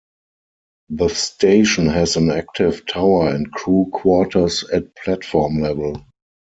The station has an active tower and crew quarters at platform level.